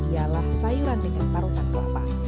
ialah sayuran dengan parutan kelapa